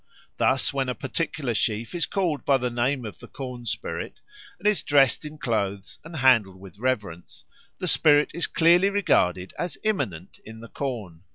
Thus when a particular sheaf is called by the name of the corn spirit, and is dressed in clothes and handled with reverence, the spirit is clearly regarded as immanent in the corn.